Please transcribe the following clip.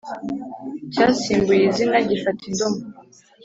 cyasimbuye izina, gifata indomo